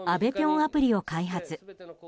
アプリを開発。